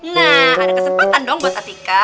nah ada kesempatan dong buat atika